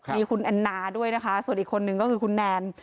มีคุณแอนนาด้วยนะคะส่วนอีกคนนึงก็คือคุณแนน